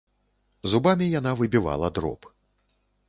Зубамі яна выбівала дроб.